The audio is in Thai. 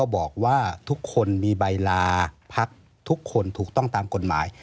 บอกว่าทุกคนมีใบลาพักทุกคนถูกต้องตามกฎหมาย